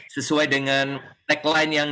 sesuai dengan tagline yang